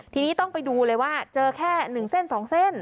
ทีนี้ต้องไปดูเลยว่าเจอแค่๑เส้น๒เส้น